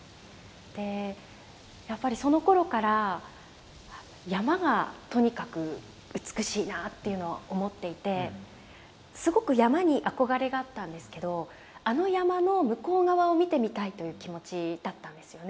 でやっぱりそのころから山がとにかく美しいなっていうのは思っていてすごく山に憧れがあったんですけどあの山の向こう側を見てみたいという気持ちだったんですよね。